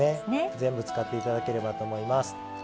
全部使って頂ければと思います。